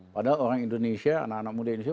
padahal orang indonesia anak anak muda indonesia